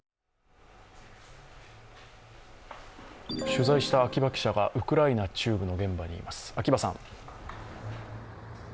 取材した秋場記者がウクライナ中部の現場にいます。